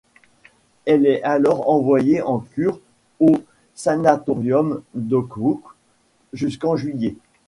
Elle est alors envoyée en cure au sanatorium d'Otwock jusqu'en juillet.